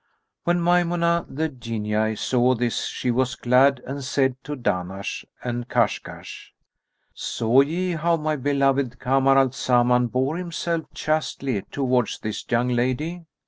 [FN#264] When Maymunah the Jinniyah saw this, she was glad and said to Dahnash and Kashkash, "Saw ye how my beloved Kamar al Zaman bore himself chastely towards this young lady?